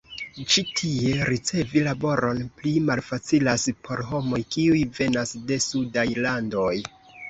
Ĉi tie, ricevi laboron pli malfacilas por homoj, kiuj venas de sudaj landoj.